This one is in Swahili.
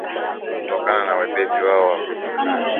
kutokana na wepesi wao wa kujikusanya